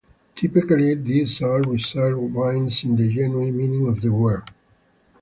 Typically these are reserve wines in the genuine meaning of the word.